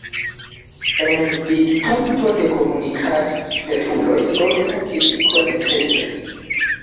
El vidpunkto de komunikad-spertuloj forta kritiko necesas.